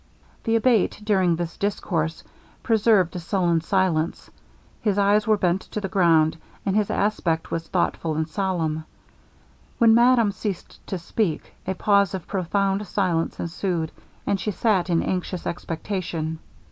The Abate during this discourse preserved a sullen silence; his eyes were bent to the ground, and his aspect was thoughful and solemn. When madame ceased to speak, a pause of profound silence ensued, and she sat in anxious expectation.